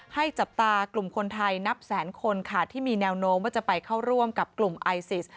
จับตากลุ่มคนไทยนับแสนคนค่ะที่มีแนวโน้มว่าจะไปเข้าร่วมกับกลุ่มไอซิส